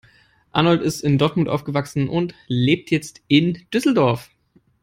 Arnold ist in Dortmund aufgewachsen und lebt jetzt in Düsseldorf.